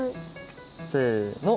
せの。